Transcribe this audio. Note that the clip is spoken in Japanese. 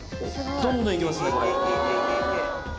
どんどんいけますねこれ！